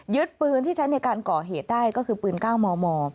ยึดปืนที่ใช้ในการก่อเหตุได้ก็คือปืนก้าวหม่อ